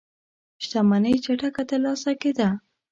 شتمنۍ چټکه ترلاسه کېده.